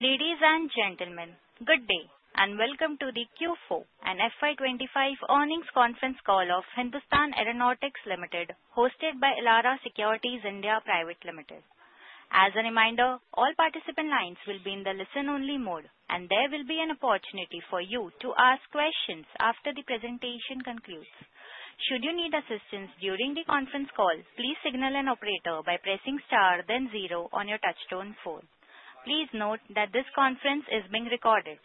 Ladies and gentlemen, good day and welcome to the Q4 and FY25 earnings conference call of Hindustan Aeronautics Ltd., hosted by Elara Securities India Pvt. Ltd. As a reminder, all participant lines will be in the listen-only mode, and there will be an opportunity for you to ask questions after the presentation concludes. Should you need assistance during the conference call, please signal an operator by pressing star then zero on your touch-tone phone. Please note that this conference is being recorded.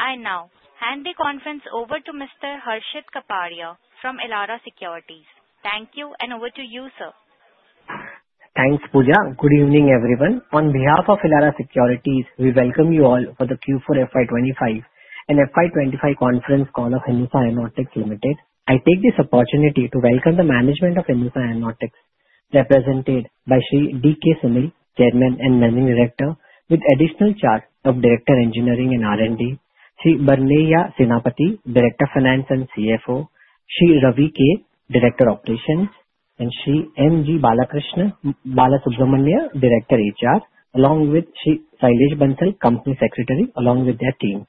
I now hand the conference over to Mr. Harshit Kapadia from Elara Securities. Thank you, and over to you, sir. Thanks, Pooja. Good evening, everyone. On behalf of Elara Securities, we welcome you all for the Q4 FY2025 and FY2025 conference call of Hindustan Aeronautics Ltd. I take this opportunity to welcome the management of Hindustan Aeronautics, represented by Sri D. K. Sunil, Chairman and Managing Director, with additional charges of Director of Engineering and R&D, Sri Barenya Senapati, Director of Finance and CFO, Sri Ravi K., Director of Operations, and Sri M. G. Balasubrahmanya, Director of HR, along with Sri Shailesh Bansal, Company Secretary, along with their team.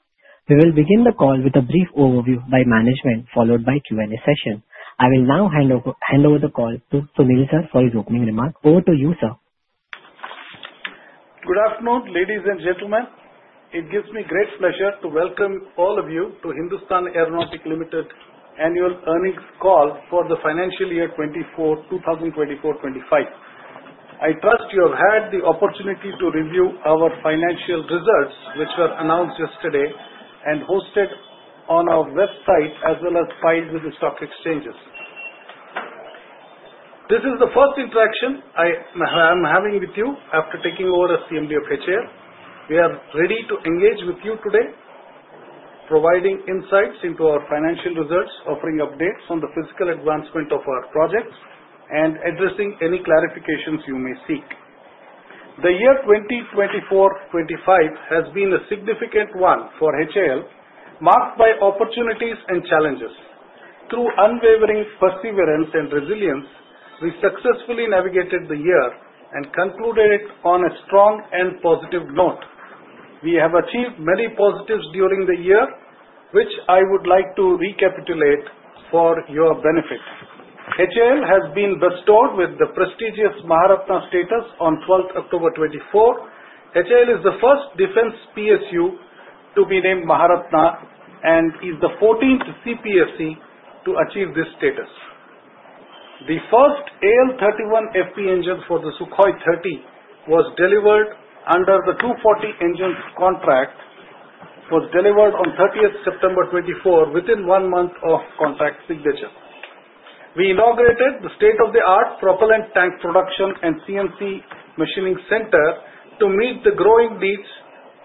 We will begin the call with a brief overview by management, followed by a Q&A session. I will now hand over the call to Sunil, sir, for his opening remarks. Over to you, sir. Good afternoon, ladies and gentlemen. It gives me great pleasure to welcome all of you to Hindustan Aeronautics Ltd. annual earnings call for the financial year 2024-2025. I trust you have had the opportunity to review our financial results, which were announced yesterday and posted on our website as well as filed with the stock exchanges. This is the first interaction I am having with you after taking over as CMD of HAL. We are ready to engage with you today, providing insights into our financial results, offering updates on the physical advancement of our projects, and addressing any clarifications you may seek. The year 2024-2025 has been a significant one for HAL, marked by opportunities and challenges. Through unwavering perseverance and resilience, we successfully navigated the year and concluded it on a strong and positive note. We have achieved many positives during the year, which I would like to recapitulate for your benefit. Hindustan Aeronautics Ltd. has been bestowed with the prestigious Maharatna status on 12 October 2024. Hindustan Aeronautics Ltd. is the first defense PSU to be named Maharatna and is the 14th CPSC to achieve this status. The first AL-31FP engine for the Sukhoi Su-30MKI was delivered under the 240 engines contract, was delivered on 30 September 2024, within one month of contract signature. We inaugurated the state-of-the-art propellant tank production and CNC machining center to meet the growing needs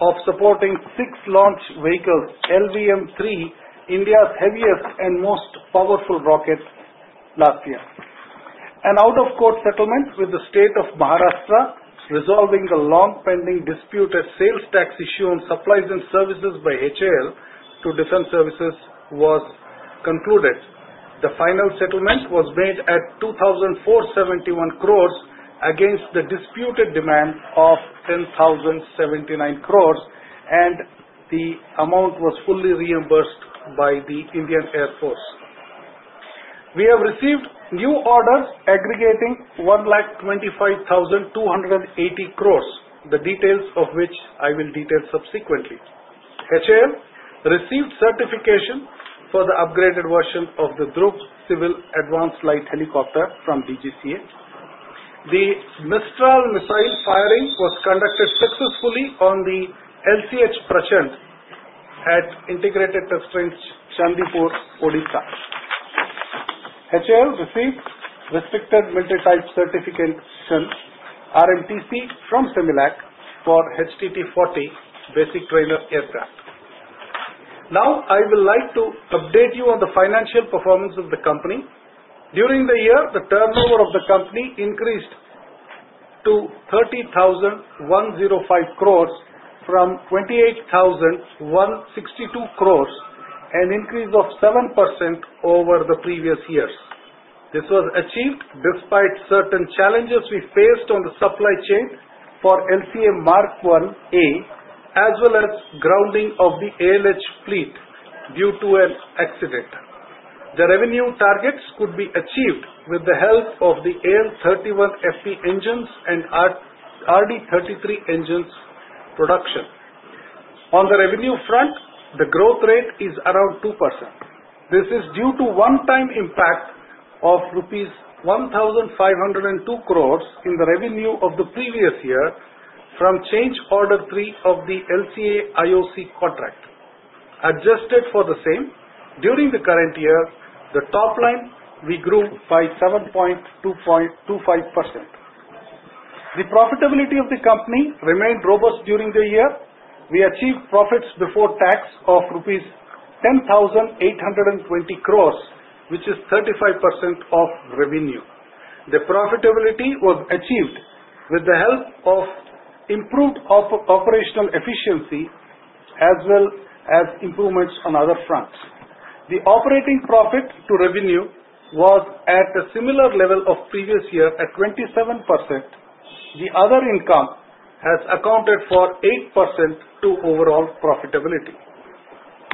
of supporting six launch vehicles, LVM-3, India's heaviest and most powerful rocket last year. An out-of-court settlement with the State of Maharashtra resolving the long-pending dispute at sales tax issue on supplies and services by Hindustan Aeronautics Ltd. to Defense Services was concluded. The final settlement was made at 2,471 crore against the disputed demand of 10,079 crore, and the amount was fully reimbursed by the Indian Air Force. We have received new orders aggregating 125,280 crore, the details of which I will detail subsequently. HAL received certification for the upgraded version of the Dhruv Civil Advanced Light Helicopter from DGCA. The Mistral missile firing was conducted successfully on the LCH Prachand at Integrated Test Range, Chandipur, Odisha. HAL received restricted military type certification RMTC from CEMILAC for HTT-40 basic trainer aircraft. Now, I would like to update you on the financial performance of the company. During the year, the turnover of the company increased to 30,105 crore from 28,162 crore, an increase of 7% over the previous years. This was achieved despite certain challenges we faced on the supply chain for LCA Mk1A, as well as grounding of the ALH fleet due to an accident. The revenue targets could be achieved with the help of the AL-31FP engines and RD-33 engines production. On the revenue front, the growth rate is around 2%. This is due to one-time impact of rupees 1,502 crore in the revenue of the previous year from change order three of the LCA IOC contract, adjusted for the same. During the current year, the top line we grew by 7.25%. The profitability of the company remained robust during the year. We achieved profits before tax of rupees 10,820 crore, which is 35% of revenue. The profitability was achieved with the help of improved operational efficiency as well as improvements on other fronts. The operating profit to revenue was at a similar level of previous year at 27%. The other income has accounted for 8% to overall profitability.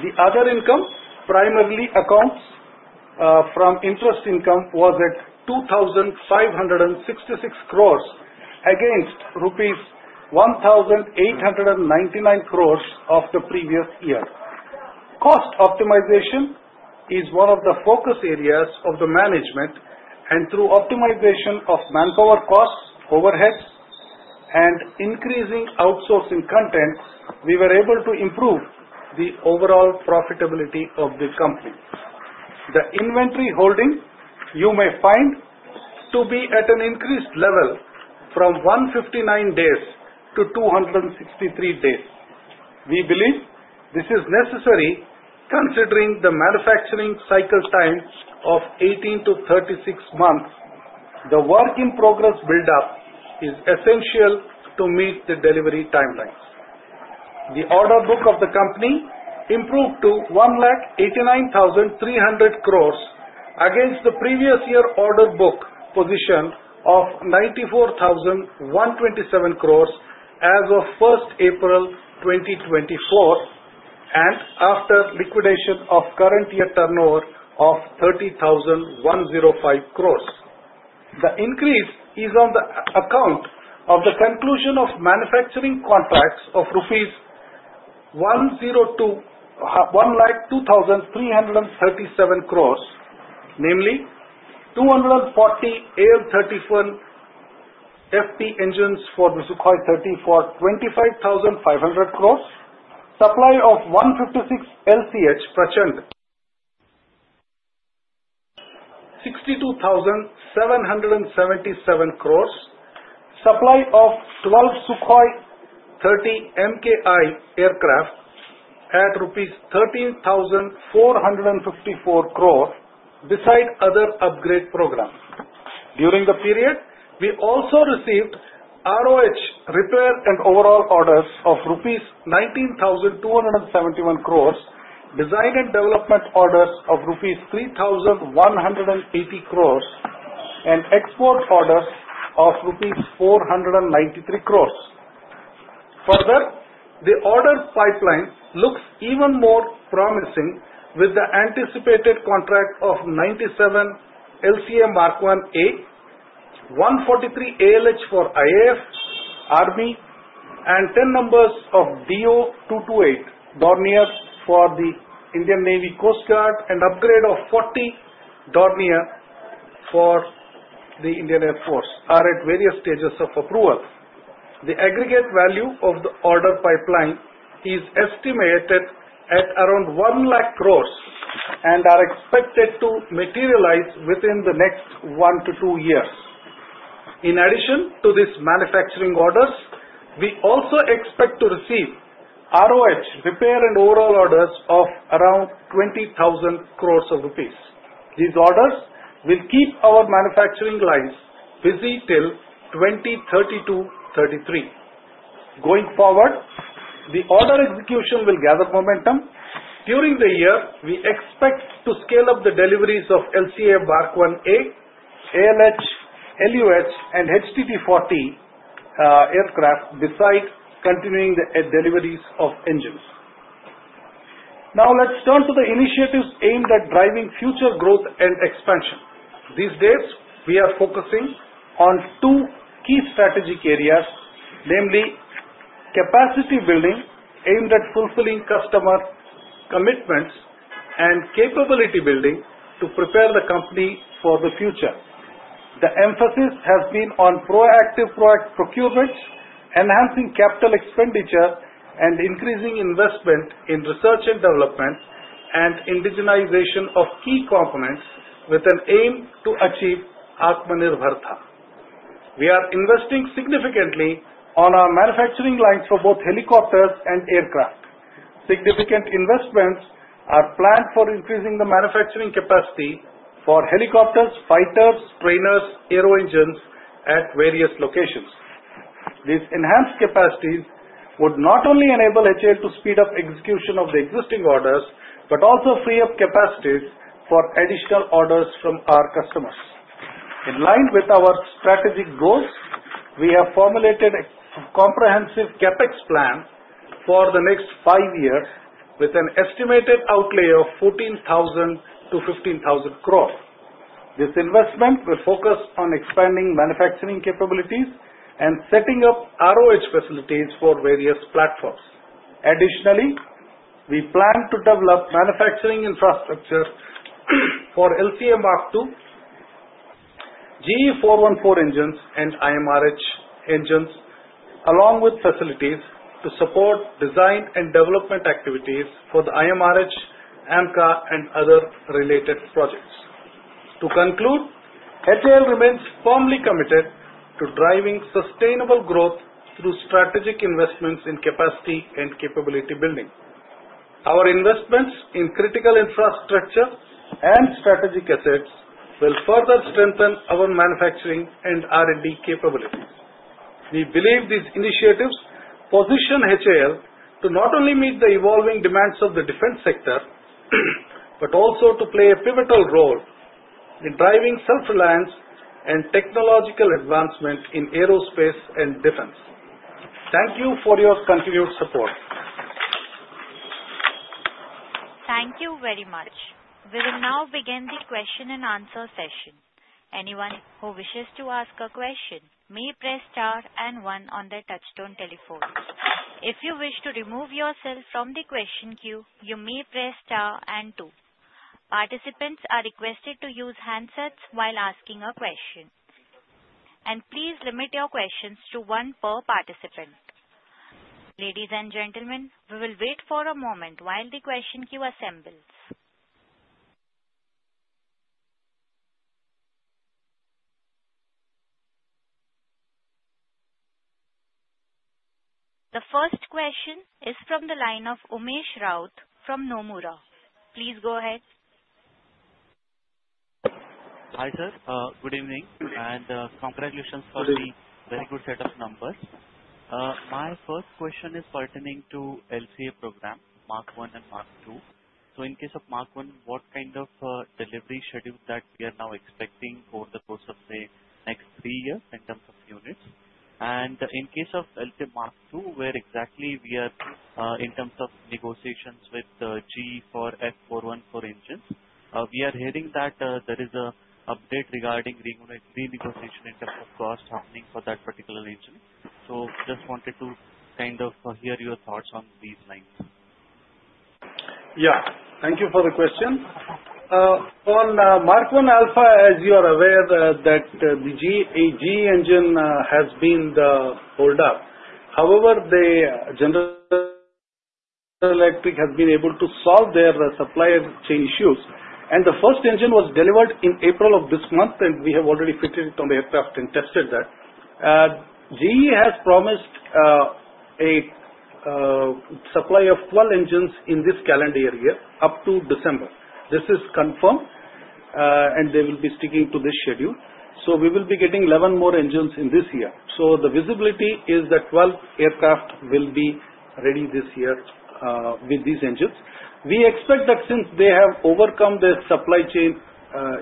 The other income primarily accounts from interest income was at 2,566 crore against rupees 1,899 crore of the previous year. Cost optimization is one of the focus areas of the management, and through optimization of manpower costs, overhead, and increasing outsourcing content, we were able to improve the overall profitability of the company. The inventory holding, you may find, to be at an increased level from 159 days to 263 days. We believe this is necessary considering the manufacturing cycle time of 18-36 months. The work in progress buildup is essential to meet the delivery timelines. The order book of the company improved to 1,89,300 crore against the previous year order book position of 94,127 crore as of 1 April 2024, and after liquidation of current year turnover of 30,105 crore. The increase is on the account of the conclusion of manufacturing contracts of rupees 1,237 crore, namely 240 AL-31FP engines for the Sukhoi Su-30MKI for 25,500 crore, supply of 156 LCH Prachand 62,777 crore, supply of 12 Sukhoi Su-30MKI aircraft at rupees 13,454 crore beside other upgrade programs. During the period, we also received ROH repair and overhaul orders of rupees 19,271 crore, design and development orders of rupees 3,180 crore, and export orders of rupees 493 crore. Further, the order pipeline looks even more promising with the anticipated contract of 97 LCA Mk1A, 143 ALH for IAF, Army, and 10 DO-228 Dornier for the Indian Navy Coast Guard, and upgrade of 40 Dornier for the Indian Air Force are at various stages of approval. The aggregate value of the order pipeline is estimated at around 1,00,000 crore and are expected to materialize within the next one to two years. In addition to these manufacturing orders, we also expect to receive ROH repair and overhaul orders of around 20,000 crore rupees. These orders will keep our manufacturing lines busy till 2032-33. Going forward, the order execution will gather momentum. During the year, we expect to scale up the deliveries of LCA Mk1A, ALH, LUH, and HTT-40 aircraft beside continuing the deliveries of engines. Now, let's turn to the initiatives aimed at driving future growth and expansion. These days, we are focusing on two key strategic areas, namely capacity building aimed at fulfilling customer commitments and capability building to prepare the company for the future. The emphasis has been on proactive procurement, enhancing capital expenditure, and increasing investment in research and development and indigenization of key components with an aim to achieve Atmanirbhar Bharat. We are investing significantly on our manufacturing lines for both helicopters and aircraft. Significant investments are planned for increasing the manufacturing capacity for helicopters, fighters, trainers, and aero engines at various locations. These enhanced capacities would not only enable Hindustan Aeronautics Ltd. to speed up execution of the existing orders but also free up capacities for additional orders from our customers. In line with our strategic goals, we have formulated a comprehensive CapEx plan for the next five years with an estimated outlay of 14,000-15,000 crore. This investment will focus on expanding manufacturing capabilities and setting up ROH facilities for various platforms. Additionally, we plan to develop manufacturing infrastructure for LCA Mk2, GE F414 engines, and IMRH engines, along with facilities to support design and development activities for the IMRH, AMCA, and other related projects. To conclude, Hindustan Aeronautics Ltd. remains firmly committed to driving sustainable growth through strategic investments in capacity and capability building. Our investments in critical infrastructure and strategic assets will further strengthen our manufacturing and R&D capabilities. We believe these initiatives position Hindustan Aeronautics Ltd. to not only meet the evolving demands of the defense sector but also to play a pivotal role in driving self-reliance and technological advancement in aerospace and defense. Thank you for your continued support. Thank you very much. We will now begin the question and answer session. Anyone who wishes to ask a question may press star and one on the touchstone telephone. If you wish to remove yourself from the question queue, you may press star and two. Participants are requested to use handsets while asking a question, and please limit your questions to one per participant. Ladies and gentlemen, we will wait for a moment while the question queue assembles. The first question is from the line of Umesh Raut from Nomura. Please go ahead. Hi sir. Good evening and congratulations for the very good set of numbers. My first question is pertaining to LCA program, Mk1 and Mk2. In case of Mk1, what kind of delivery schedule that we are now expecting over the course of the next three years in terms of units? In case of LCA Mk2, where exactly are we in terms of negotiations with GE for F414 engines? We are hearing that there is an update regarding renegotiation in terms of cost happening for that particular engine. I just wanted to kind of hear your thoughts on these lines. Yeah. Thank you for the question. On Mk1 Alpha, as you are aware, the GE engine has been pulled up. However, General Electric has been able to solve their supply chain issues. The first engine was delivered in April of this month, and we have already fitted it on the aircraft and tested that. GE has promised a supply of 12 engines in this calendar year up to December. This is confirmed, and they will be sticking to this schedule. We will be getting 11 more engines in this year. The visibility is that 12 aircraft will be ready this year with these engines. We expect that since they have overcome the supply chain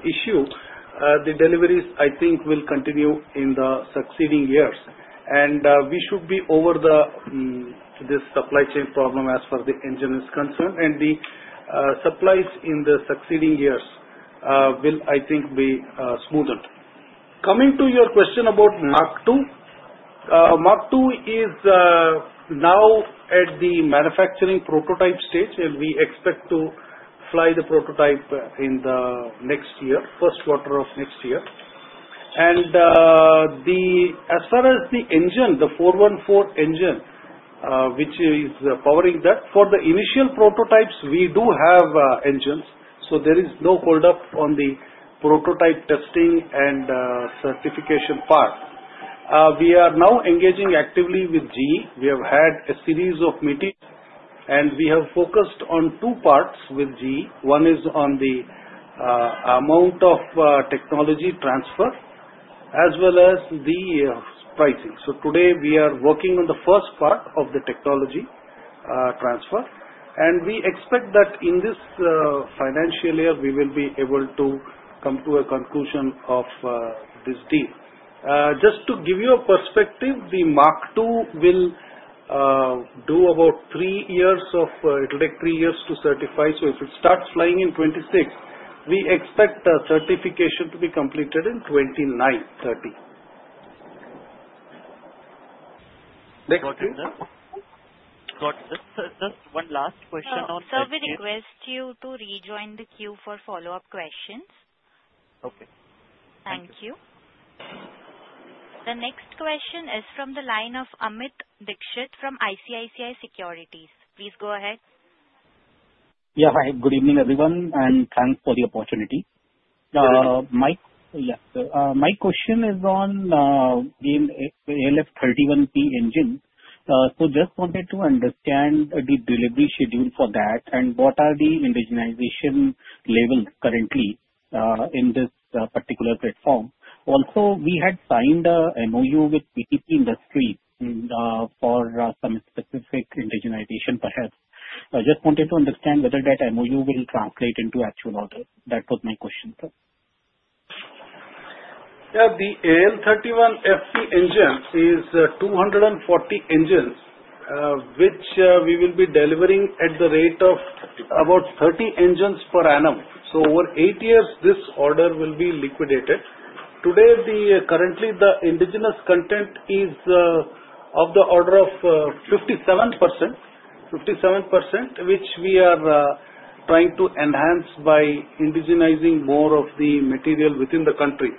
issue, the deliveries, I think, will continue in the succeeding years. We should be over this supply chain problem as far as the engine is concerned, and the supplies in the succeeding years will, I think, be smoother. Coming to your question about Mk2, Mk2 is now at the manufacturing prototype stage, and we expect to fly the prototype in the next year, first quarter of next year. As far as the engine, the 414 engine, which is powering that, for the initial prototypes, we do have engines. There is no holdup on the prototype testing and certification part. We are now engaging actively with GE. We have had a series of meetings, and we have focused on two parts with GE. One is on the amount of technology transfer as well as the pricing. Today, we are working on the first part of the technology transfer. We expect that in this financial year, we will be able to come to a conclusion of this deal. Just to give you a perspective, the Mk2 will do about three years of, it will take three years to certify. If it starts flying in 2026, we expect the certification to be completed in 2029-2030. Thank you. Got it. Got it. Just one last question on. Also, we request you to rejoin the queue for follow-up questions. Okay. Thank you. The next question is from the line of Amit Dixit from ICICI Securities. Please go ahead. Yeah. Hi. Good evening, everyone, and thanks for the opportunity. Yeah. My question is on the AL-31FP engine. I just wanted to understand the delivery schedule for that and what are the indigenization levels currently in this particular platform. Also, we had signed an MOU with PTC Industries for some specific indigenization perhaps. I just wanted to understand whether that MOU will translate into actual orders. That was my question, sir. Yeah. The AL-31FP engine is 240 engines, which we will be delivering at the rate of about 30 engines per annum. Over eight years, this order will be liquidated. Today, currently, the indigenous content is of the order of 57%, which we are trying to enhance by indigenizing more of the material within the country.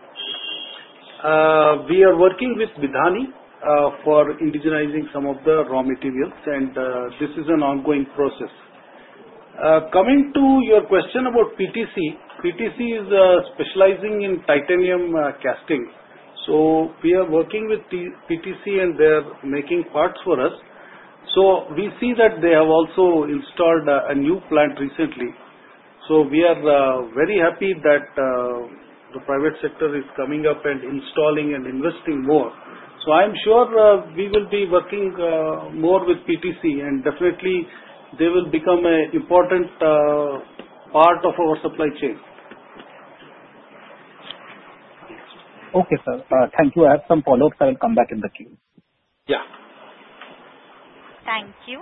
We are working with Bidhani for indigenizing some of the raw materials, and this is an ongoing process. Coming to your question about PTC, PTC is specializing in titanium casting. We are working with PTC, and they are making parts for us. We see that they have also installed a new plant recently. We are very happy that the private sector is coming up and installing and investing more. I'm sure we will be working more with PTC, and definitely, they will become an important part of our supply chain. Okay, sir. Thank you. I have some follow-ups. I will come back in the queue. Yeah. Thank you.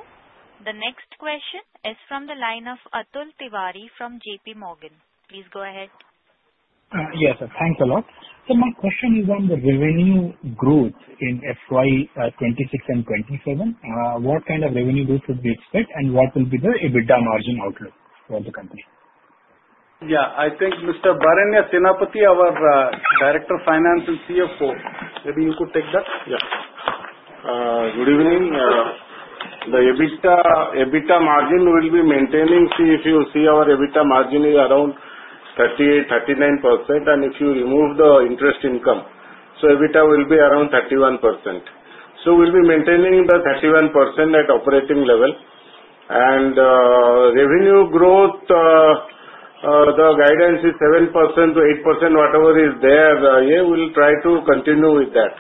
The next question is from the line of Atul Tiwari from JP Morgan. Please go ahead. Yes, sir. Thanks a lot. My question is on the revenue growth in FY 2026 and 2027. What kind of revenue growth would we expect, and what will be the EBITDA margin outlook for the company? Yeah. I think Mr. Barenya Senapati, our Director of Finance and CFO. Maybe you could take that. Yeah. Good evening. The EBITDA margin will be maintaining. If you see, our EBITDA margin is around 38%-39%. If you remove the interest income, EBITDA will be around 31%. We will be maintaining the 31% at operating level. Revenue growth, the guidance is 7%-8%, whatever is there. We will try to continue with that.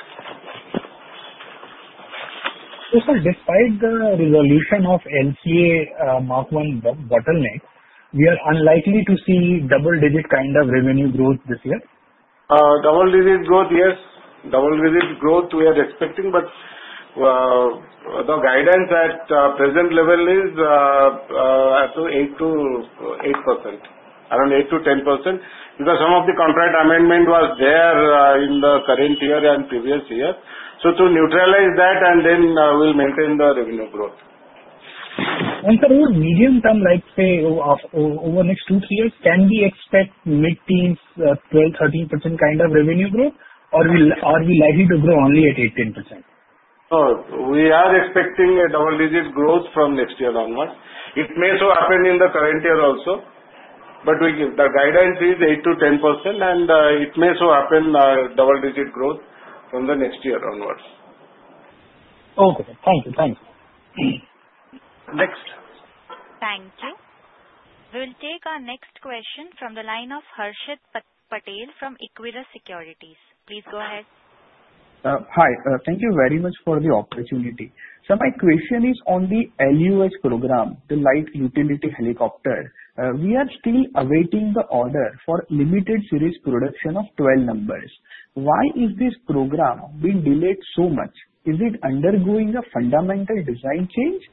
Sir, despite the resolution of LCA Mk1 bottleneck, we are unlikely to see double-digit kind of revenue growth this year. Double-digit growth, yes. Double-digit growth, we are expecting. The guidance at present level is 8%-10% because some of the contract amendment was there in the current year and previous year. To neutralize that, and then we'll maintain the revenue growth. Sir, over medium term, let's say over the next two to three years, can we expect mid-teens, 12-13% kind of revenue growth, or are we likely to grow only at 8%-10%? We are expecting a double-digit growth from next year onward. It may so happen in the current year also. The guidance is 8-10%, and it may so happen double-digit growth from the next year onward. Okay. Thank you. Thank you. Next. Thank you. We'll take our next question from the line of Harshit Patel from Iquira Securities. Please go ahead. Hi. Thank you very much for the opportunity. My question is on the LUH program, the light utility helicopter. We are still awaiting the order for limited series production of 12 numbers. Why is this program being delayed so much? Is it undergoing a fundamental design change?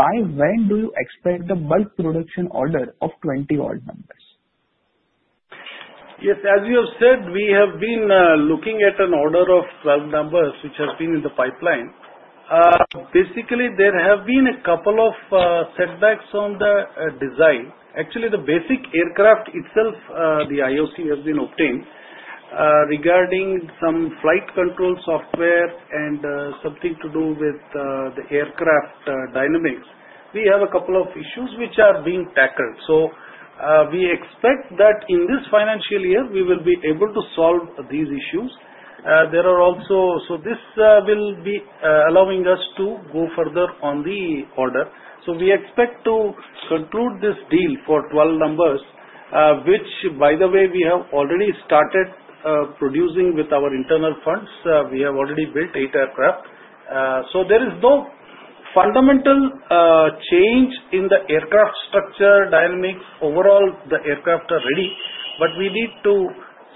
By when do you expect the bulk production order of 20 all numbers? Yes. As you have said, we have been looking at an order of 12 numbers, which have been in the pipeline. Basically, there have been a couple of setbacks on the design. Actually, the basic aircraft itself, the IOC has been obtained regarding some flight control software and something to do with the aircraft dynamics. We have a couple of issues which are being tackled. We expect that in this financial year, we will be able to solve these issues. There are also, this will be allowing us to go further on the order. We expect to conclude this deal for 12 numbers, which, by the way, we have already started producing with our internal funds. We have already built eight aircraft. There is no fundamental change in the aircraft structure, dynamics. Overall, the aircraft are ready. We need to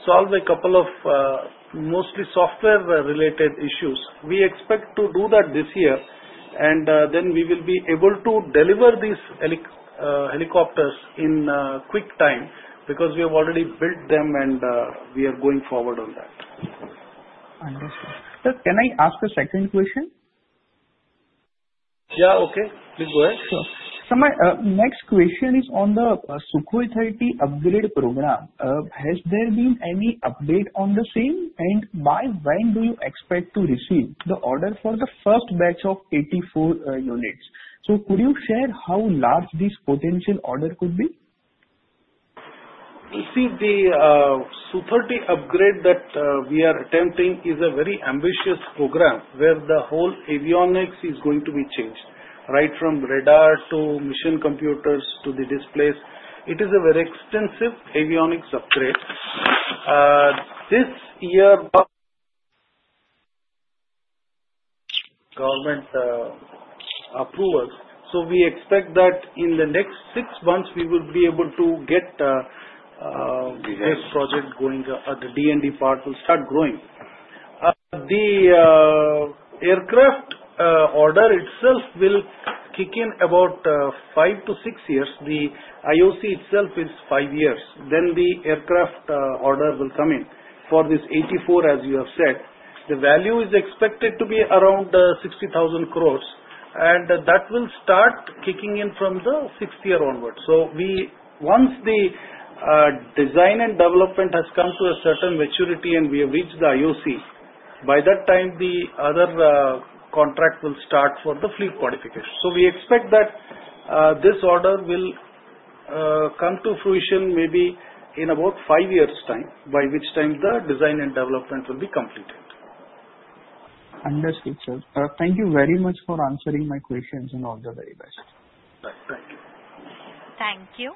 solve a couple of mostly software-related issues. We expect to do that this year. Then we will be able to deliver these helicopters in quick time because we have already built them, and we are going forward on that. Understood. Sir, can I ask a second question? Yeah. Okay. Please go ahead. Sure. My next question is on the Sukhoi Su-30MKI upgrade program. Has there been any update on the same? By when do you expect to receive the order for the first batch of 84 units? Could you share how large this potential order could be? You see, the Sukhoi Su-30MKI upgrade that we are attempting is a very ambitious program where the whole avionics is going to be changed, right from radar to mission computers to the displays. It is a very extensive avionics upgrade. This year, of government approvals. We expect that in the next six months, we will be able to get this project going. The DND part will start growing. The aircraft order itself will kick in about five to six years. The IOC itself is five years. The aircraft order will come in for this 84, as you have said. The value is expected to be around 60,000 crore. That will start kicking in from the sixth year onward. Once the design and development has come to a certain maturity and we have reached the IOC, by that time, the other contract will start for the fleet modification. We expect that this order will come to fruition maybe in about five years' time, by which time the design and development will be completed. Understood, sir. Thank you very much for answering my questions, and all the very best. Thank you. Thank you.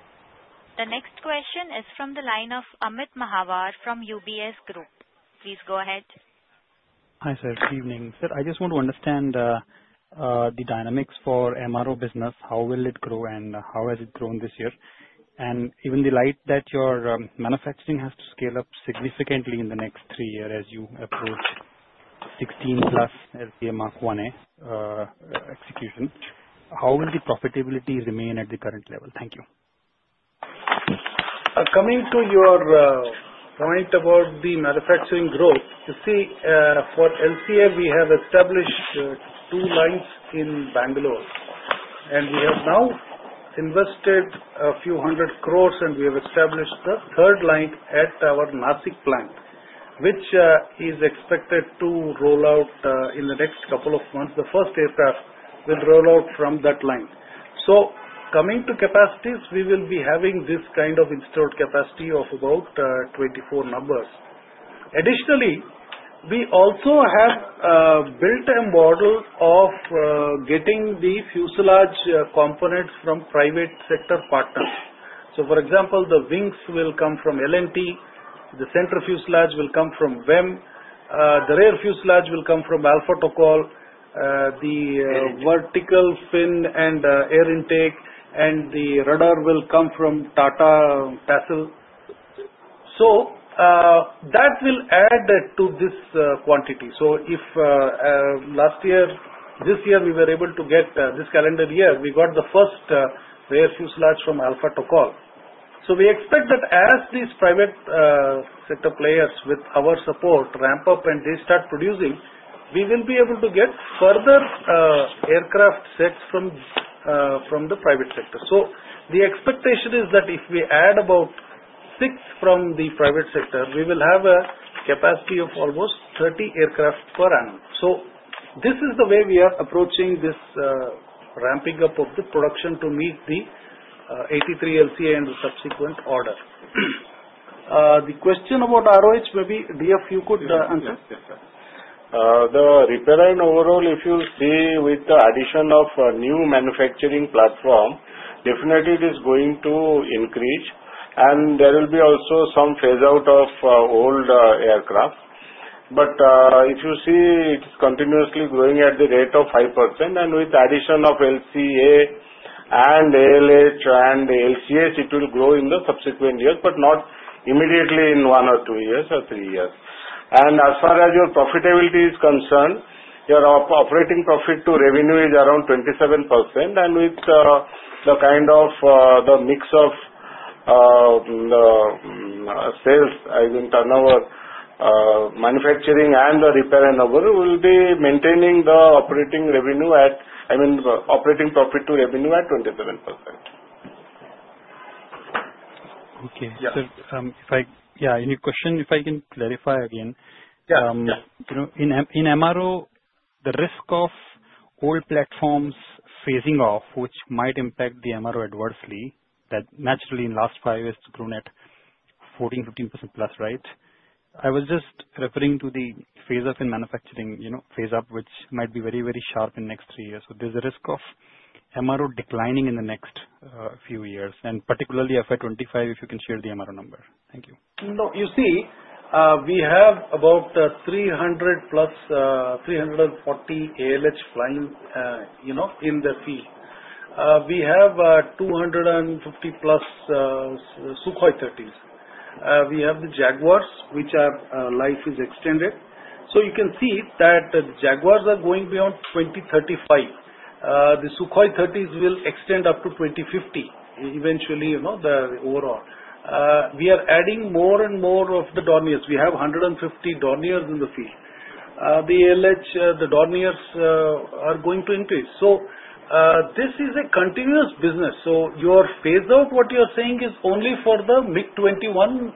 The next question is from the line of Amit Mahawar from UBS Group. Please go ahead. Hi sir. Good evening. Sir, I just want to understand the dynamics for MRO business. How will it grow, and how has it grown this year? Even the light that you're manufacturing has to scale up significantly in the next three years as you approach 16-plus LCA Mk1A execution. How will the profitability remain at the current level? Thank you. Coming to your point about the manufacturing growth, you see, for LCA, we have established two lines in Bangalore. We have now invested a few hundred crores, and we have established the third line at our Nashik plant, which is expected to roll out in the next couple of months. The first aircraft will roll out from that line. Coming to capacities, we will be having this kind of installed capacity of about 24 numbers. Additionally, we also have built a model of getting the fuselage components from private sector partners. For example, the wings will come from L&T. The center fuselage will come from VEM Technologies. The rear fuselage will come from Alpha-Tocol. The vertical fin and air intake and the radar will come from Tata Advanced Systems Limited. That will add to this quantity. If last year, this year, we were able to get this calendar year, we got the first rear fuselage from Alphatocall. We expect that as these private sector players with our support ramp up and they start producing, we will be able to get further aircraft sets from the private sector. The expectation is that if we add about six from the private sector, we will have a capacity of almost 30 aircraft per annum. This is the way we are approaching this ramping up of the production to meet the 83 LCA and the subsequent order. The question about ROH, maybe DF, you could answer? Yes. The repair line overall, if you see with the addition of a new manufacturing platform, definitely, it is going to increase. There will be also some phase-out of old aircraft. If you see, it is continuously growing at the rate of 5%. With the addition of LCA and ALH and LCS, it will grow in the subsequent years, but not immediately in one or two years or three years. As far as your profitability is concerned, your operating profit to revenue is around 27%. With the kind of the mix of sales, I mean, turnover, manufacturing, and the repair and overall, we will be maintaining the operating revenue at, I mean, operating profit to revenue at 27%. Okay. Sir, if I—yeah. Any question? If I can clarify again. Yeah. In MRO, the risk of old platforms phasing off, which might impact the MRO adversely, that naturally, in the last five years, grown at 14%-15% plus, right? I was just referring to the phase-up in manufacturing, phase-up, which might be very, very sharp in the next three years. There is a risk of MRO declining in the next few years, and particularly FY 2025, if you can share the MRO number. Thank you. No. You see, we have about 300+ 340 ALH flying in the field. We have 250+ Sukhoi Su-30MKIs. We have the Jaguars, which life is extended. You can see that the Jaguars are going beyond 2035. The Sukhoi Su-30MKIs will extend up to 2050 eventually, overall. We are adding more and more of the Dorniers. We have 150 Dorniers in the field. The ALH, the Dorniers are going to increase. This is a continuous business. Your phase-out, what you're saying, is only for the MiG-21.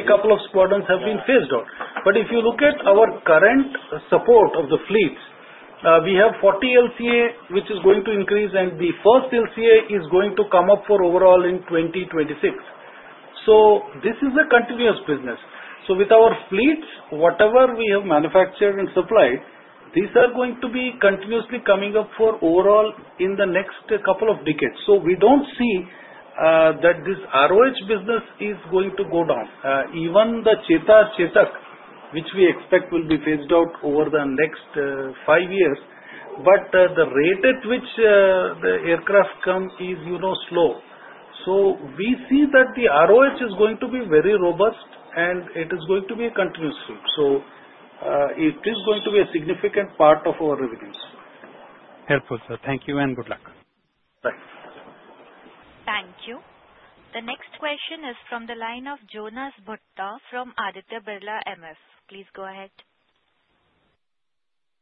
A couple of squadrons have been phased out. If you look at our current support of the fleets, we have 40 LCA, which is going to increase, and the first LCA is going to come up for overall in 2026. This is a continuous business. With our fleets, whatever we have manufactured and supplied, these are going to be continuously coming up for overhaul in the next couple of decades. We do not see that this ROH business is going to go down. Even the Chetak, Chetak, which we expect will be phased out over the next five years. The rate at which the aircraft come is slow. We see that the ROH is going to be very robust, and it is going to be a continuous fleet. It is going to be a significant part of our revenues. Helpful, sir. Thank you and good luck. Thanks. Thank you. The next question is from the line of Jonas Bhutta from Aditya Birla, MS. Please go ahead.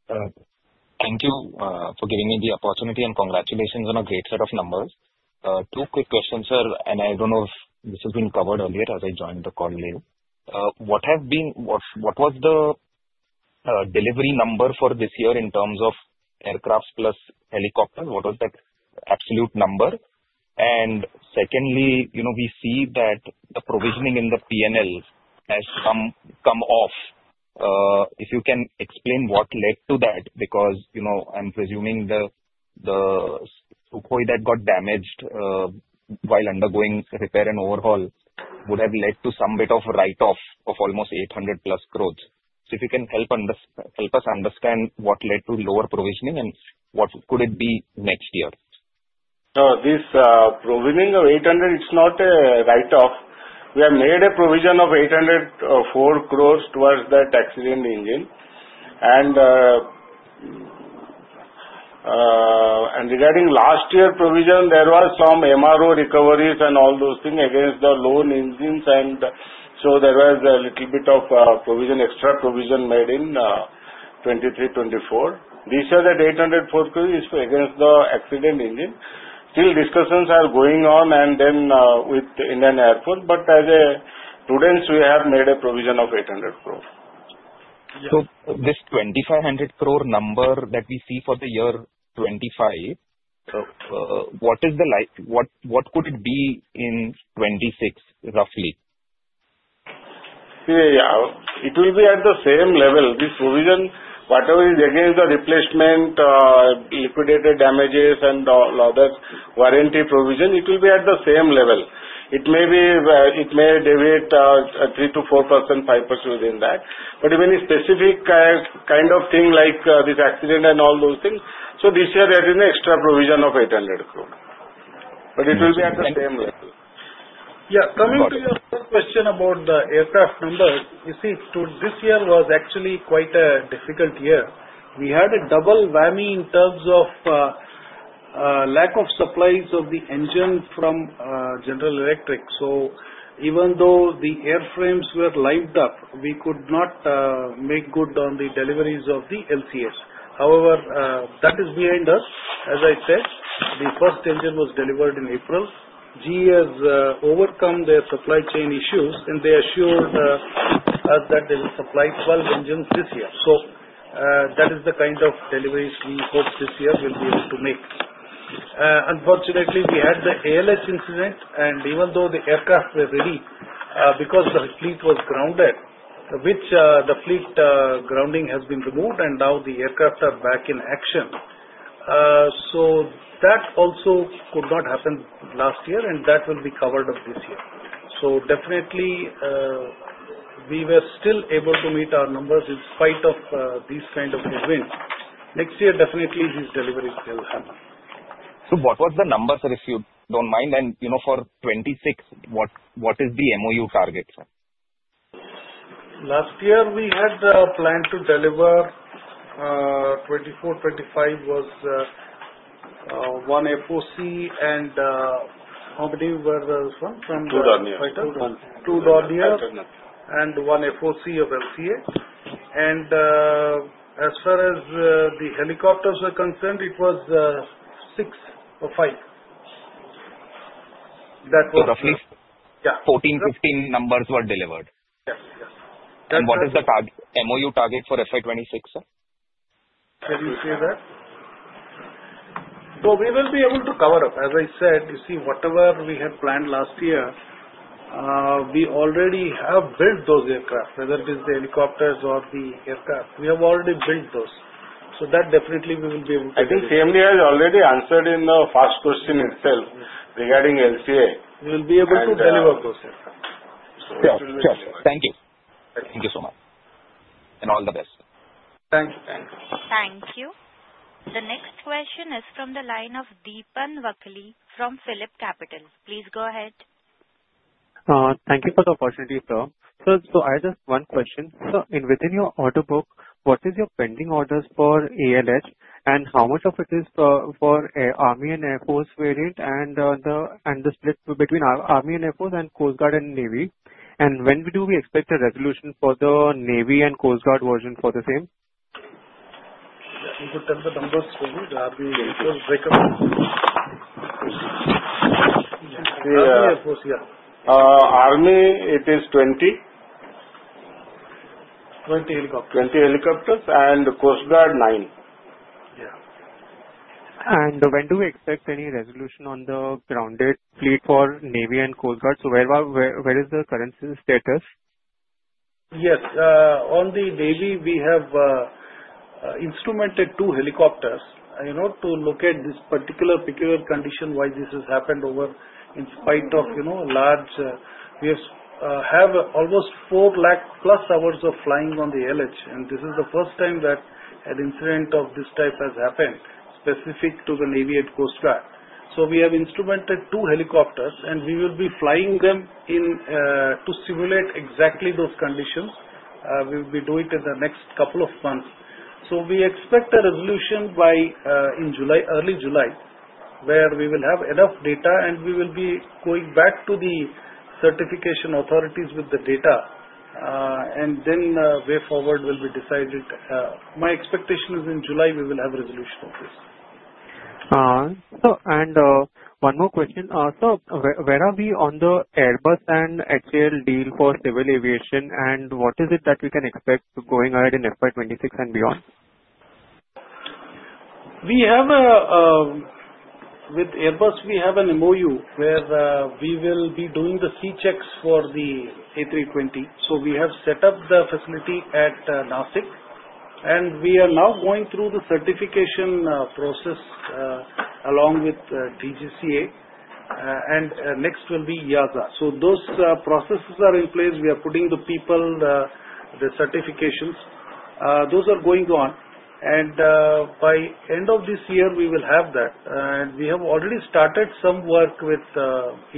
Thank you for giving me the opportunity and congratulations on a great set of numbers. Two quick questions, sir, and I don't know if this has been covered earlier as I joined the call later. What was the delivery number for this year in terms of aircraft plus helicopters? What was that absolute number? Secondly, we see that the provisioning in the P&L has come off. If you can explain what led to that, because I'm presuming the Sukhoi Su-30MKI that got damaged while undergoing repair and overhaul would have led to some bit of write-off of almost 800 crore-plus. If you can help us understand what led to lower provisioning and what could it be next year. This provisioning of 800, it's not a write-off. We have made a provision of 804 crore towards that accident engine. Regarding last year's provision, there were some MRO recoveries and all those things against the lone engines. There was a little bit of extra provision made in 2023-2024. This year, that 804 crore is against the accident engine. Still, discussions are going on with the Indian Air Force. As a prudence, we have made a provision of 800 crore. This 2,500 crore number that we see for the year 2025, what could it be in 2026, roughly? Yeah. It will be at the same level. This provision, whatever is against the replacement, liquidated damages, and all other warranty provision, it will be at the same level. It may deviate 3%-4%, 5% within that. Even a specific kind of thing like this accident and all those things, this year, there is an extra provision of 800 crore. It will be at the same level. Yeah. Coming to your question about the aircraft number, you see, this year was actually quite a difficult year. We had a double whammy in terms of lack of supplies of the engine from General Electric. Even though the airframes were lined up, we could not make good on the deliveries of the LCAs. However, that is behind us. As I said, the first engine was delivered in April. GE has overcome their supply chain issues, and they assured us that they will supply 12 engines this year. That is the kind of deliveries we hope this year we'll be able to make. Unfortunately, we had the ALH incident, and even though the aircraft were ready because the fleet was grounded, which the fleet grounding has been removed, and now the aircraft are back in action. That also could not happen last year, and that will be covered up this year. Definitely, we were still able to meet our numbers in spite of these kind of events. Next year, definitely, these deliveries will happen. What were the numbers, if you don't mind? And for 2026, what is the MOU target, sir? Last year, we had planned to deliver 24, 25 was one FOC, and how many were those ones? Two Dorniers. Two DO-228 Dorniers and one FOC of LCA. As far as the helicopters are concerned, it was six or five. That was. Roughly, 14-15 numbers were delivered. Yes. Yes. What is the MOU target for FY 2026, sir? Can you say that? We will be able to cover up. As I said, you see, whatever we had planned last year, we already have built those aircraft, whether it is the helicopters or the aircraft. We have already built those. That definitely we will be able to deliver. I think CMD has already answered in the first question itself regarding LCA. We will be able to deliver those aircraft. So. Will be delivered. Thank you. Thank you so much. All the best. Thank you. Thank you. Thank you. The next question is from the line of Deepan Vakhali from Philip Capital. Please go ahead. Thank you for the opportunity, sir. Sir, I have just one question. Sir, within your order book, what is your pending orders for ALH, and how much of it is for Army and Air Force variant and the split between Army and Air Force and Coast Guard and Navy? When do we expect a resolution for the Navy and Coast Guard version for the same? Yeah. You could tell the numbers for me. The Army and Air Force break up. Army, Air Force, yeah. Army, it is 20. 20 helicopters. 20 helicopters and Coast Guard, 9. Yeah. When do we expect any resolution on the grounded fleet for Navy and Coast Guard? Where is the current status? Yes. On the Navy, we have instrumented two helicopters to look at this particular, peculiar condition why this has happened over in spite of large, we have almost 400,000+ hours of flying on the ALH. This is the first time that an incident of this type has happened specific to the Navy and Coast Guard. We have instrumented two helicopters, and we will be flying them to simulate exactly those conditions. We will be doing it in the next couple of months. We expect a resolution by early July, where we will have enough data, and we will be going back to the certification authorities with the data. The way forward will be decided. My expectation is in July, we will have resolution of this. One more question. Sir, where are we on the Airbus and HAL deal for civil aviation, and what is it that we can expect going ahead in FY 2026 and beyond? With Airbus, we have an MOU where we will be doing the C-checks for the A320. We have set up the facility at Nashik, and we are now going through the certification process along with DGCA. Next will be EASA. Those processes are in place. We are putting the people, the certifications. Those are going on. By end of this year, we will have that. We have already started some work with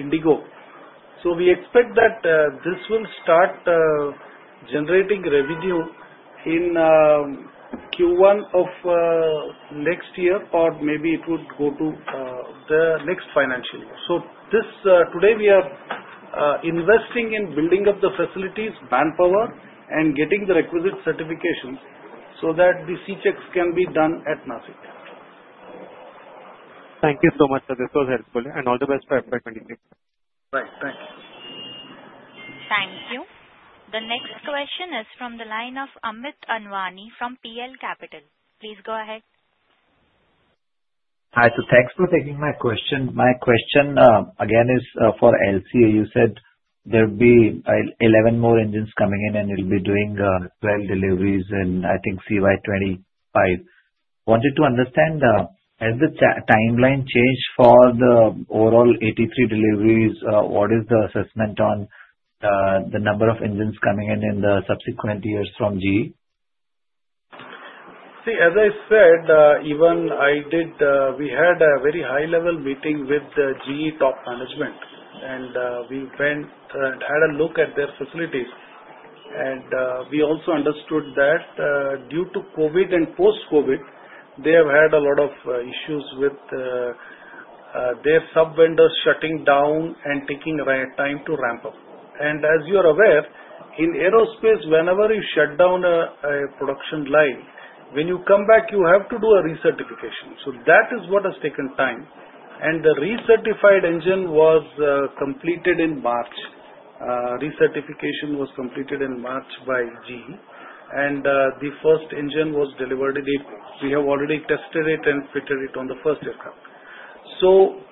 IndiGo. We expect that this will start generating revenue in Q1 of next year, or maybe it would go to the next financial year. Today, we are investing in building up the facilities, manpower, and getting the requisite certifications so that the C-checks can be done at Nashik. Thank you so much, sir. This was helpful. All the best for FY 2026. Right. Thank you. Thank you. The next question is from the line of Amit Anwani from PL Capital. Please go ahead. Hi. Thanks for taking my question. My question, again, is for LCA. You said there will be 11 more engines coming in, and you'll be doing 12 deliveries in, I think, calendar year 2025. Wanted to understand, has the timeline changed for the overall 83 deliveries? What is the assessment on the number of engines coming in in the subsequent years from GE? See, as I said, even we had a very high-level meeting with the GE top management, and we went and had a look at their facilities. We also understood that due to COVID and post-COVID, they have had a lot of issues with their sub-vendors shutting down and taking time to ramp up. As you are aware, in aerospace, whenever you shut down a production line, when you come back, you have to do a recertification. That is what has taken time. The recertified engine was completed in March. Recertification was completed in March by GE. The first engine was delivered in April. We have already tested it and fitted it on the first aircraft.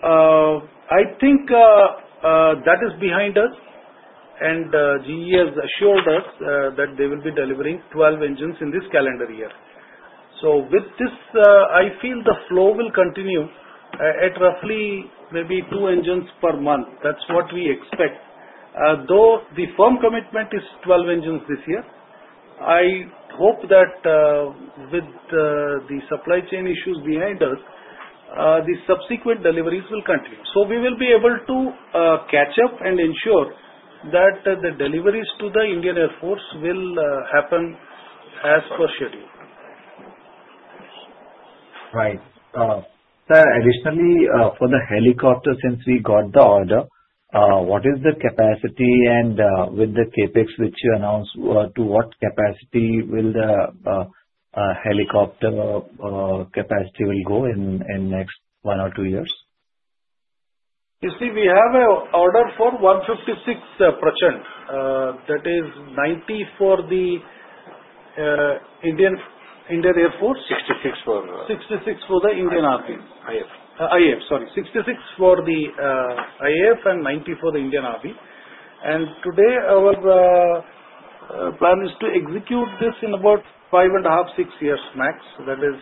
I think that is behind us. GE has assured us that they will be delivering 12 engines in this calendar year. With this, I feel the flow will continue at roughly maybe two engines per month. That's what we expect. Though the firm commitment is 12 engines this year, I hope that with the supply chain issues behind us, the subsequent deliveries will continue. We will be able to catch up and ensure that the deliveries to the Indian Air Force will happen as per schedule. Right. Sir, additionally, for the helicopters, since we got the order, what is the capacity and with the CapEx which you announced, to what capacity will the helicopter capacity go in the next one or two years? You see, we have an order for 156%. That is 90 for the Indian Air Force. 66 for. 66 for the Indian Army. IAF. IAF, sorry. 66 for the IAF and 90 for the Indian Army. Today, our plan is to execute this in about five and a half, six years max. That is,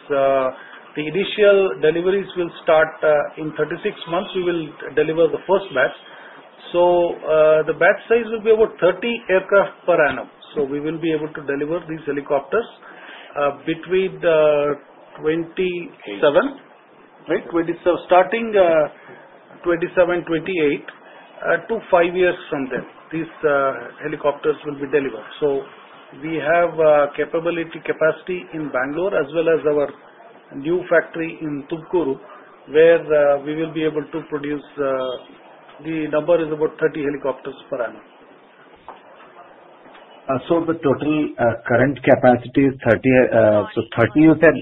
the initial deliveries will start in 36 months. We will deliver the first batch. The batch size will be about 30 aircraft per annum. We will be able to deliver these helicopters between 2027. 27? Right. Starting 2027, 2028, two to five years from then, these helicopters will be delivered. We have capacity in Bangalore as well as our new factory in Thuvkuru, where we will be able to produce the number is about 30 helicopters per annum. The total current capacity is 30, 30, you said?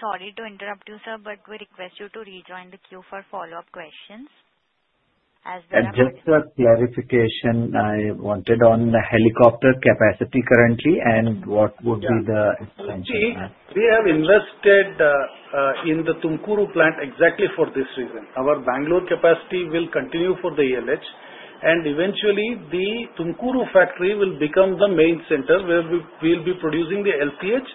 Sorry to interrupt you, sir, but we request you to rejoin the queue for follow-up questions. Just a clarification I wanted on the helicopter capacity currently and what would be the expansion. We have invested in the Thuvkuru plant exactly for this reason. Our Bangalore capacity will continue for the ALH. Eventually, the Thuvkuru factory will become the main center where we will be producing the LCH,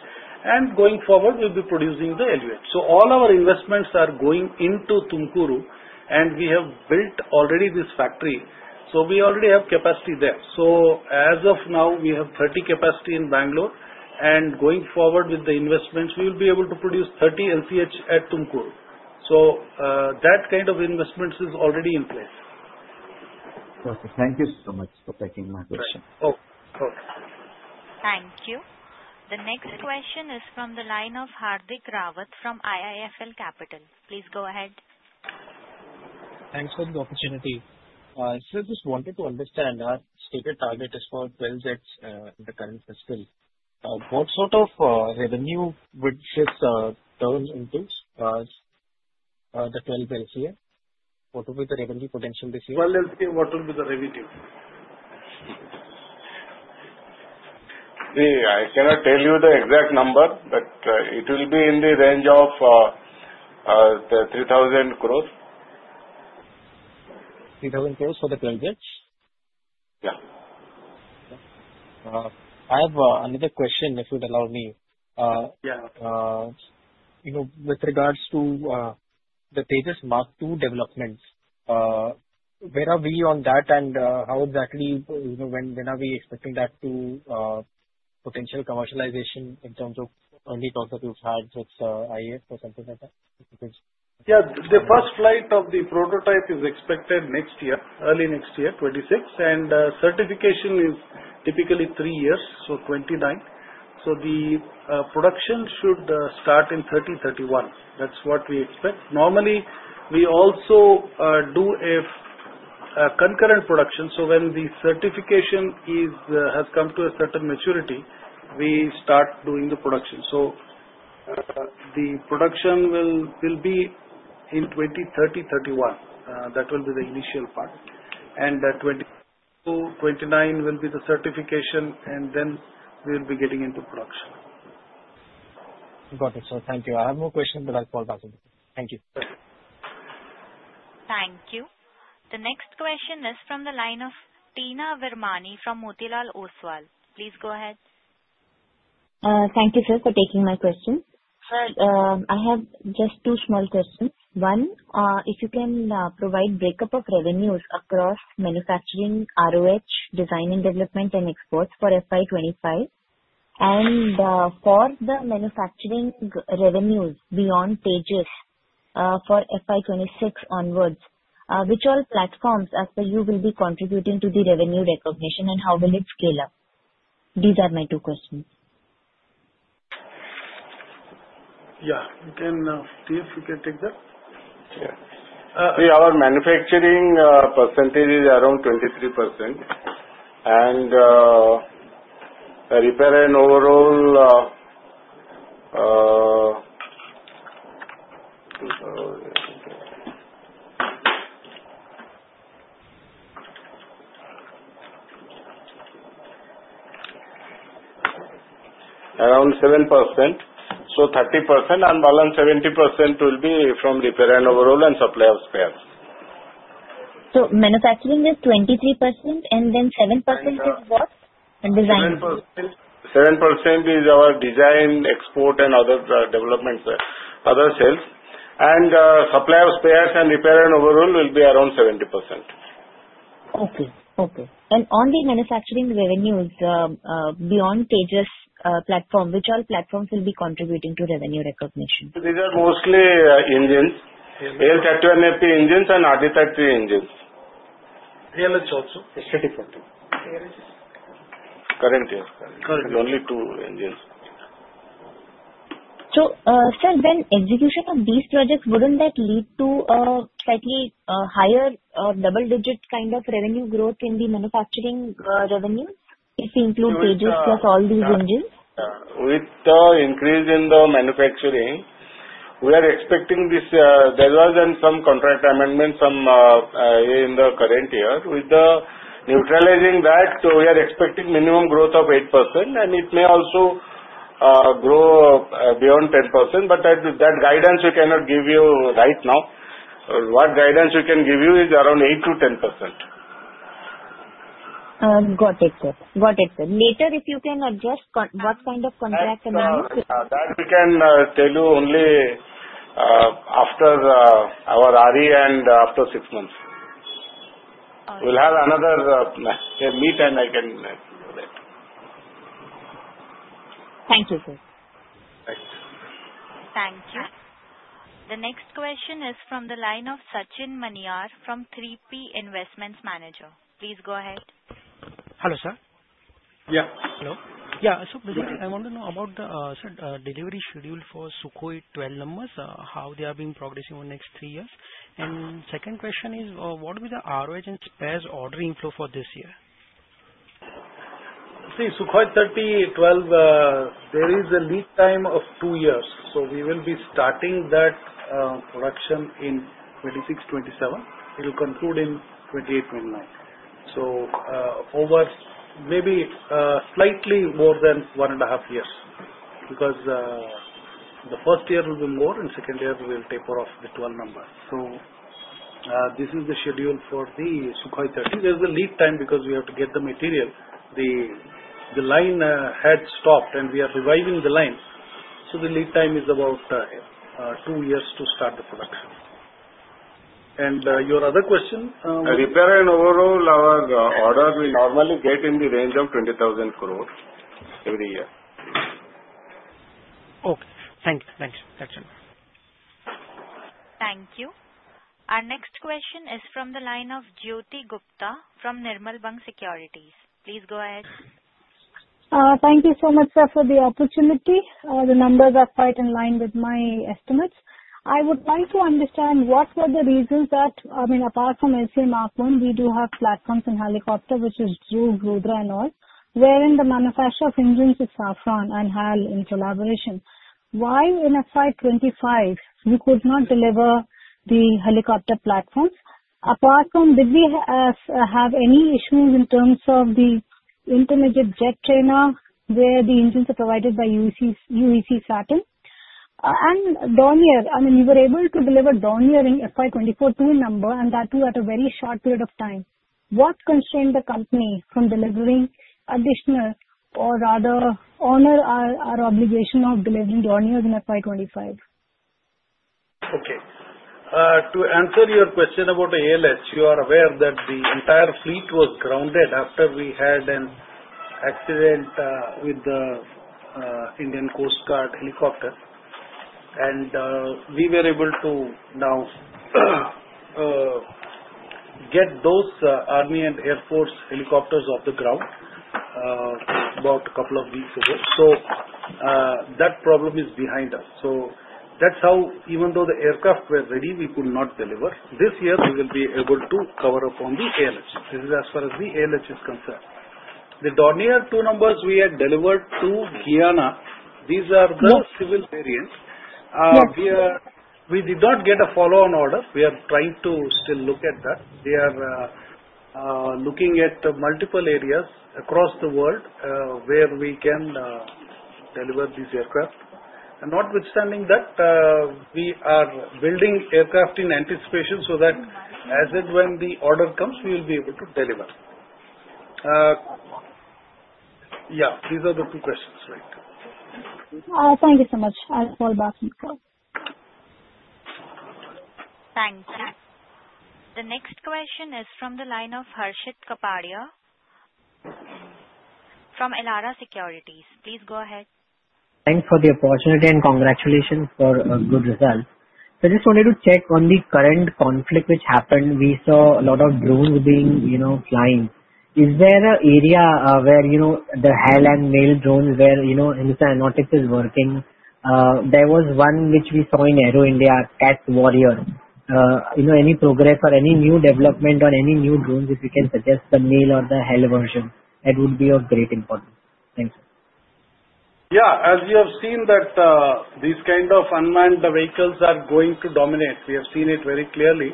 and going forward, we'll be producing the LUH. All our investments are going into Thuvkuru, and we have built already this factory. We already have capacity there. As of now, we have 30 capacity in Bangalore. Going forward with the investments, we will be able to produce 30 LCH at Thuvkuru. That kind of investment is already in place. Perfect. Thank you so much for taking my question. Oh, okay. Thank you. The next question is from the line of Hardik Rawat from IIFL Capital. Please go ahead. Thanks for the opportunity. I just wanted to understand our stated target is for 12 LCAs in the current fiscal. What sort of revenue would this turn into, the 12 LCA? What will be the revenue potential this year? Twelve LCA, what will be the revenue? See, I cannot tell you the exact number, but it will be in the range of 3,000 crore. 3,000 crore for the 12 Sukhois? Yeah. I have another question, if you'd allow me. Yeah. With regards to the Tejas Mk II development, where are we on that, and how exactly when are we expecting that to potential commercialization in terms of only talk that you've had with IAF or something like that? Yeah. The first flight of the prototype is expected next year, early next year, 2026. Certification is typically three years, so 2029. The production should start in 2030-2031. That is what we expect. Normally, we also do a concurrent production. When the certification has come to a certain maturity, we start doing the production. The production will be in 2030-2031. That will be the initial part. 2029 will be the certification, and then we will be getting into production. Got it. Sir, thank you. I have no question, but I'll call back in a bit. Thank you. Sure. Thank you. The next question is from the line of Teena Virmani from Motilal Oswal. Please go ahead. Thank you, sir, for taking my question. Sir, I have just two small questions. One, if you can provide breakup of revenues across manufacturing, ROH, design and development, and exports for FY 2025. For the manufacturing revenues beyond Tejas for FY 2026 onwards, which all platforms, as per you, will be contributing to the revenue recognition, and how will it scale up? These are my two questions. Yeah. You can now. Steve, you can take that. Yeah. Our manufacturing percentage is around 23%. And repair and overhaul, around 7%. So 30%, and balance 70% will be from repair and overhaul and supply of spares. Manufacturing is 23%, and then 7% is what? And design? 7% is our design, export, and other developments, other sales. Supply of spares and repair and overall will be around 70%. Okay. Okay. On the manufacturing revenues beyond Tejas platform, which all platforms will be contributing to revenue recognition? These are mostly engines. AL-31FP engines and RD-33 engines. Realize also. S33. Current year. Only two engines. Sir, then execution of these projects, wouldn't that lead to a slightly higher double-digit kind of revenue growth in the manufacturing revenue if we include Tejas plus all these engines? With the increase in the manufacturing, we are expecting this. There was some contract amendment in the current year. With neutralizing that, we are expecting minimum growth of 8%, and it may also grow beyond 10%. What guidance we can give you is around 8%-10%. Got it. Got it. Later, if you can address what kind of contract amendments. That we can tell you only after our RE and after six months. We will have another meet and I can do that. Thank you, sir. Thank you. The next question is from the line of Sachin Maniar from 3P Investments Managers. Please go ahead. Hello, sir. Yeah. Hello. Yeah. I want to know about the delivery schedule for Sukhoi 12 numbers, how they are being progressing over the next three years. Second question is, what will be the ROH and spares ordering flow for this year? See, Sukhoi Su-30MKI, 12, there is a lead time of two years. We will be starting that production in 2026, 2027. It will conclude in 2028, 2029. Maybe slightly more than one and a half years because the first year will be more, and second year we will taper off the 12 numbers. This is the schedule for the Sukhoi Su-30MKI. There is a lead time because we have to get the material. The line had stopped, and we are reviving the line. The lead time is about two years to start the production. Your other question? Repair and overhaul, our order will normally get in the range of 20,000 crore every year. Okay. Thank you. Thanks, Sachin. Thank you. Our next question is from the line of Jyoti Gupta from Nirmal Bang Securities. Please go ahead. Thank you so much, sir, for the opportunity. The numbers are quite in line with my estimates. I would like to understand what were the reasons that, I mean, apart from LCA Mk1, we do have platforms in helicopter, which is LUH, Rudra, and all, wherein the manufacture of engines is Safran and HAL in collaboration. Why in FY 2025, you could not deliver the helicopter platforms? Apart from, did we have any issues in terms of the intermediate jet trainer where the engines are provided by UEC Saturn? And Dornier, I mean, you were able to deliver Dornier in FY 2024 to a number, and that too at a very short period of time. What constrained the company from delivering additional or rather honor our obligation of delivering Dornier in FY 2025? Okay. To answer your question about ALH, you are aware that the entire fleet was grounded after we had an accident with the Indian Coast Guard helicopter. We were able to now get those Army and Air Force helicopters off the ground about a couple of weeks ago. That problem is behind us. That is how, even though the aircraft were ready, we could not deliver. This year, we will be able to cover up on the ALH. This is as far as the ALH is concerned. The Dornier two numbers we had delivered to Guyana, these are the civil variants. We did not get a follow-on order. We are trying to still look at that. We are looking at multiple areas across the world where we can deliver these aircraft. Notwithstanding that, we are building aircraft in anticipation so that as and when the order comes, we will be able to deliver. Yeah. These are the two questions, right? Thank you so much. I'll call back in a bit. Thank you. The next question is from the line of Harshit Kapadia from Elara Securities. Please go ahead. Thanks for the opportunity and congratulations for a good result. I just wanted to check on the current conflict which happened. We saw a lot of drones being flying. Is there an area where the HAL and MALE drones where Hindustan Aeronautics is working? There was one which we saw in AeroIndia, Cat Warrior. Any progress or any new development on any new drones, if you can suggest the MALE or the HAL version? That would be of great importance. Thank you. Yeah. As you have seen that these kind of unmanned vehicles are going to dominate. We have seen it very clearly.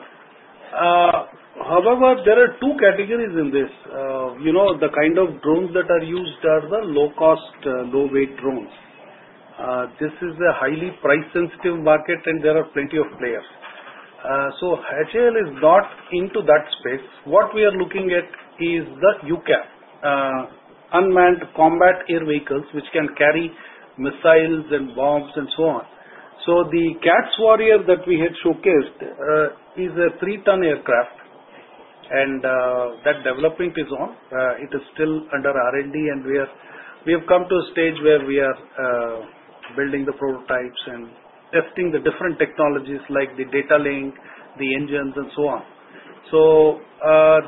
However, there are two categories in this. The kind of drones that are used are the low-cost, low-weight drones. This is a highly price-sensitive market, and there are plenty of players. HAL is not into that space. What we are looking at is the UCAV, unmanned combat air vehicles, which can carry missiles and bombs and so on. The Cat Warrior that we had showcased is a three-ton aircraft, and that development is on. It is still under R&D, and we have come to a stage where we are building the prototypes and testing the different technologies like the data link, the engines, and so on.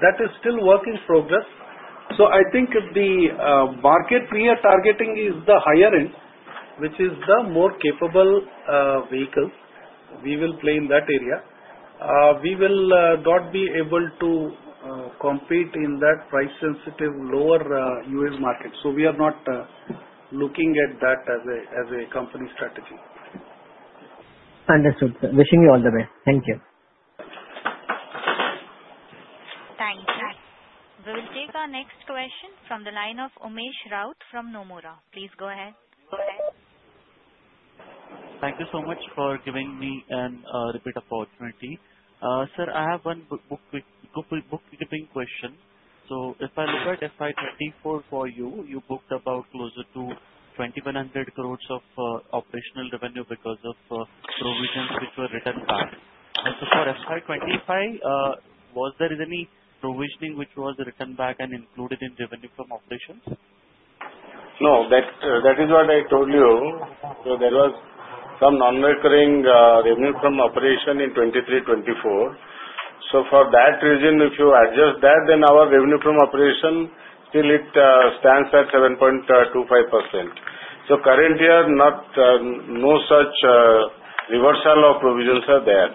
That is still work in progress. I think the market we are targeting is the higher end, which is the more capable vehicles. We will play in that area. We will not be able to compete in that price-sensitive, lower UAV market. We are not looking at that as a company strategy. Understood, sir. Wishing you all the best. Thank you. Thank you. We will take our next question from the line of Umesh Raut from Nomura. Please go ahead. Thank you so much for giving me a repeat opportunity. Sir, I have one bookkeeping question. If I look at FY 2024 for you, you booked about closer to 2,100 crore of operational revenue because of provisions which were written back. For FY 2025, was there any provisioning which was written back and included in revenue from operations? No. That is what I told you. There was some non-recurring revenue from operation in 2023-2024. For that reason, if you adjust that, then our revenue from operation still stands at 7.25%. Current year, no such reversal of provisions are there.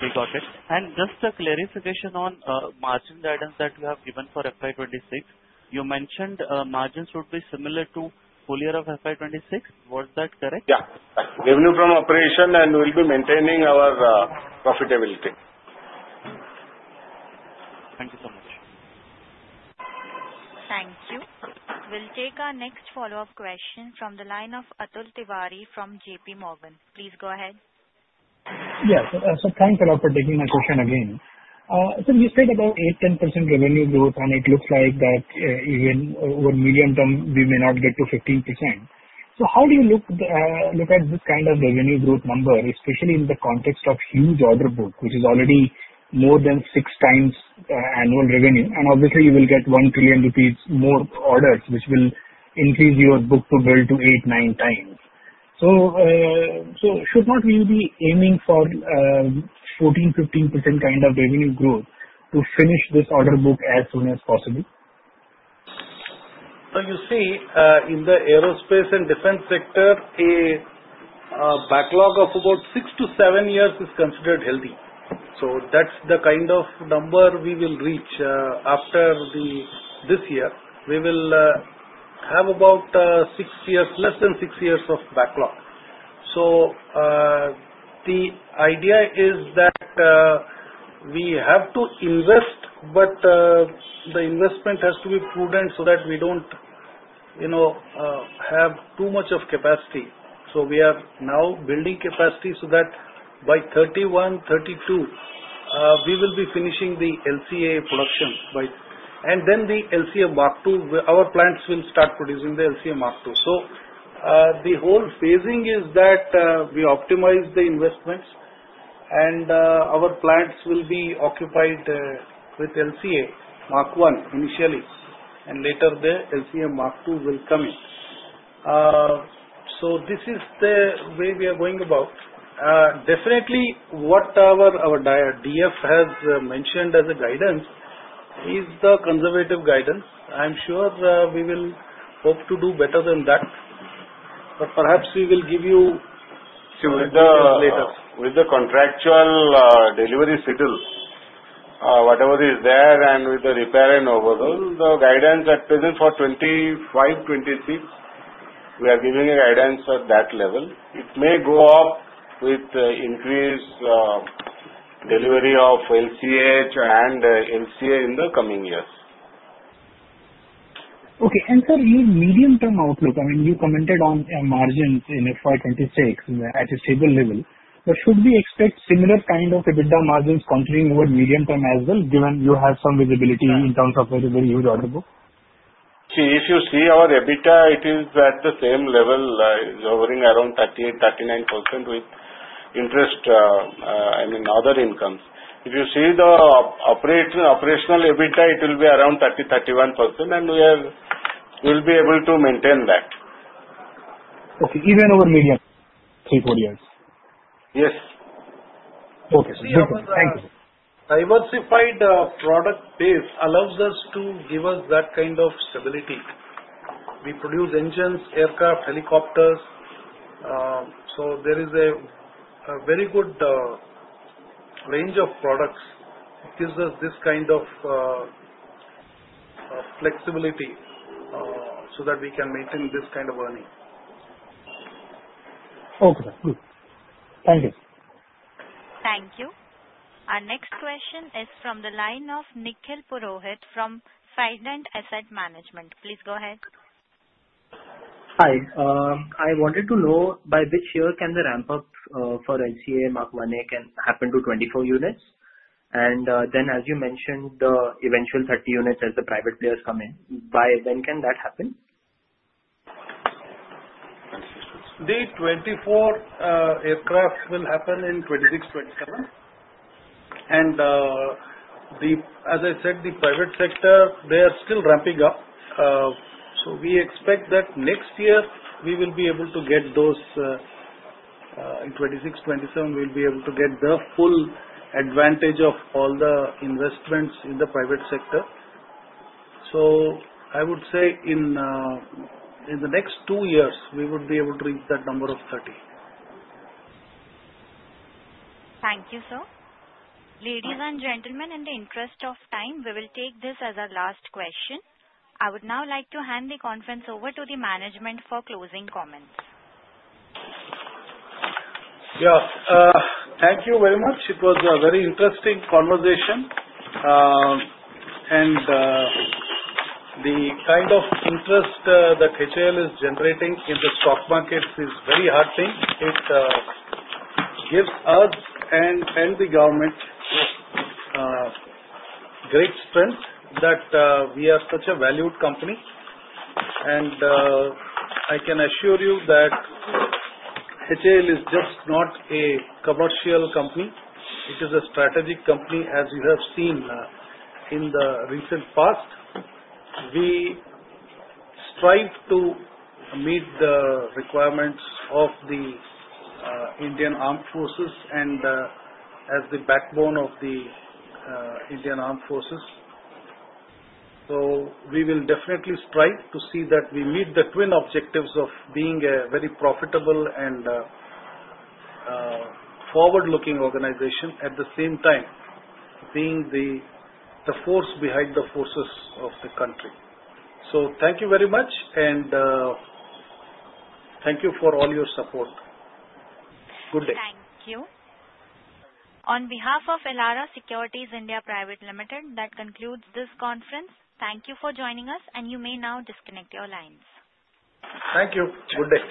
We got it. Just a clarification on margin guidance that you have given for FY 2026. You mentioned margins would be similar to earlier of FY 2026. Was that correct? Yeah. Revenue from operation and we will be maintaining our profitability. Thank you so much. Thank you. We'll take our next follow-up question from the line of Atul Tiwari from JP Morgan. Please go ahead. Yes. Thank you a lot for taking my question again. You said about 8%-10% revenue growth, and it looks like that even over the medium term, we may not get to 15%. How do you look at this kind of revenue growth number, especially in the context of a huge order book, which is already more than six times annual revenue? Obviously, you will get 1 trillion rupees more orders, which will increase your book to build to eight-nine times. Should we not be aiming for 14-15% kind of revenue growth to finish this order book as soon as possible? You see, in the aerospace and defense sector, a backlog of about six to seven years is considered healthy. That is the kind of number we will reach after this year. We will have about six years, less than six years of backlog. The idea is that we have to invest, but the investment has to be prudent so that we do not have too much capacity. We are now building capacity so that by 2031-2032, we will be finishing the LCA production. Then the LCA Mk2, our plants will start producing the LCA Mk2. The whole phasing is that we optimize the investments, and our plants will be occupied with LCA Mk1 initially, and later the LCA Mk2 will come in. This is the way we are going about. Definitely, what our DF has mentioned as a guidance is the conservative guidance. I'm sure we will hope to do better than that. Perhaps we will give you later. With the contractual delivery schedule, whatever is there, and with the repair and overhaul, the guidance at present for 2025, 2026, we are giving a guidance at that level. It may go up with increased delivery of LCH and LCA in the coming years. Okay. Sir, your medium-term outlook, I mean, you commented on margins in FY 2026 at a stable level. Should we expect similar kind of EBITDA margins continuing over medium term as well, given you have some visibility in terms of very, very huge order book? See, if you see our EBITDA, it is at the same level, hovering around 38%-39% with interest, I mean, other incomes. If you see the operational EBITDA, it will be around 30%-31%, and we will be able to maintain that. Okay. Even over medium three, four years. Yes. Okay. So thank you. Diversified product base allows us to give us that kind of stability. We produce engines, aircraft, helicopters. There is a very good range of products. It gives us this kind of flexibility so that we can maintain this kind of earning. Okay. Thank you. Thank you. Our next question is from the line of Nikhil Purohit from Fident Asset Management. Please go ahead. Hi. I wanted to know by which year can the ramp-up for LCA Mk1 can happen to 24 units? And then, as you mentioned, the eventual 30 units as the private players come in. By when can that happen? The 24 aircraft will happen in 2026, 2027. As I said, the private sector, they are still ramping up. We expect that next year, we will be able to get those. In 2026, 2027, we will be able to get the full advantage of all the investments in the private sector. I would say in the next two years, we would be able to reach that number of 30. Thank you, sir. Ladies and gentlemen, in the interest of time, we will take this as our last question. I would now like to hand the conference over to the management for closing comments. Yeah. Thank you very much. It was a very interesting conversation. The kind of interest that Hindustan Aeronautics Ltd. is generating in the stock market is very heartening. It gives us and the government great strength that we are such a valued company. I can assure you that Hindustan Aeronautics Ltd. is just not a commercial company. It is a strategic company, as you have seen in the recent past. We strive to meet the requirements of the Indian Armed Forces and as the backbone of the Indian Armed Forces. We will definitely strive to see that we meet the twin objectives of being a very profitable and forward-looking organization at the same time being the force behind the forces of the country. Thank you very much, and thank you for all your support. Good day. Thank you. On behalf of Elara Securities India Pvt. Ltd., that concludes this conference. Thank you for joining us, and you may now disconnect your lines. Thank you. Good day.